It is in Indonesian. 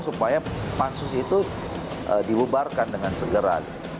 supaya pansus itu dibubarkan dengan segera